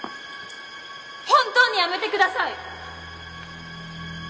本当にやめてください！